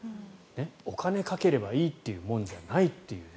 お金をかければいいというもんじゃないという。